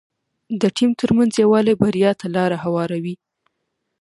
د ټيم ترمنځ یووالی بریا ته لاره هواروي.